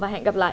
hẹn gặp lại